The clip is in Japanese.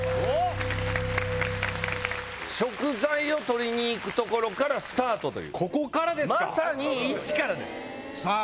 食材を取りに行くところからスタートというここからですか⁉まさに一からですさあ